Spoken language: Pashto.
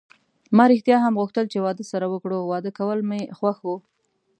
ما ریښتیا هم غوښتل چې واده سره وکړو، واده کول مې خوښ و.